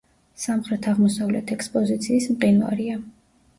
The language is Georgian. სამხრეთ-აღმოსავლეთ ექსპოზიციის მყინვარია.